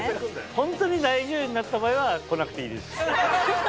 ホントに大女優になった場合は来なくていいです。